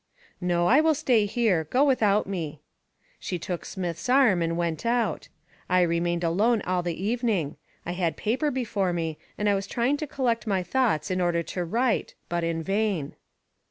"No, I will stay here; go without me." She took Smith's arm and went out. I remained alone all the evening; I had paper before me and I was trying to collect my thoughts in order to write, but in vain.